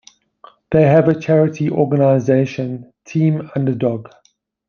They have a charity organization, Team Underdog.